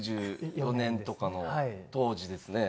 １９９４年とかの当時ですね。